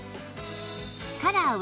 カラーは